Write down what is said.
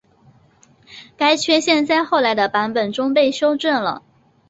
该缺陷在后来的版本中被修正了。